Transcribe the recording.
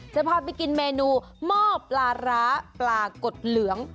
จะพาไปกินเมนูหม้อปลาร้าปลากดเหลือง